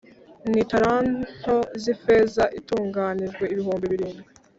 n italanto z ifeza itunganijwe ibihumbi birindwi